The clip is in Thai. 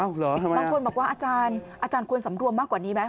อะเหรอทำไมล่ะบางคนบอกว่าอาจารย์ควรสำรวมมากกว่านี้มั้ย